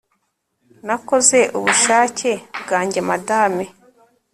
Nakoze ubushake bwanjye Madame